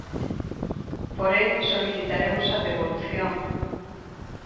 Porén, solicitaremos a devolución.